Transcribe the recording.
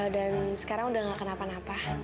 dan sekarang udah nggak kenapa napa